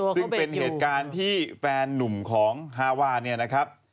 ซึ่งเป็นเหตุการณ์ที่แฟนนุ่มของฮาว่า